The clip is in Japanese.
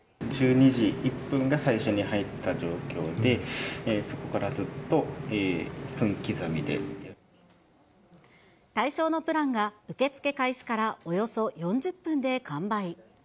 １２時１分が最初に入った状況で、対象のプランが受け付け開始からおよそ４０分で完売。